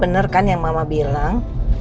bener kan yang mama bilang